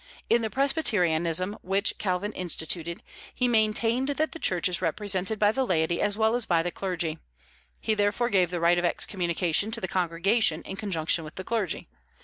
In the Presbyterianism which Calvin instituted he maintained that the Church is represented by the laity as well as by the clergy. He therefore gave the right of excommunication to the congregation in conjunction with the clergy.